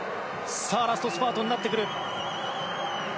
ラストスパートになってきた。